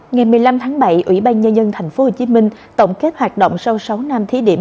ngày một mươi năm tháng bảy ủy ban nhân dân tp hcm tổng kết hoạt động sau sáu năm thí điểm